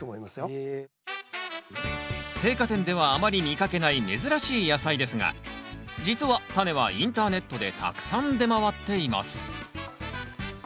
青果店ではあまり見かけない珍しい野菜ですが実はタネはインターネットでたくさん出回っています。